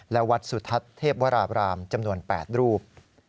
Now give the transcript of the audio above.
และวัดสุทัศน์เทพวราบรามจำนวน๘รูป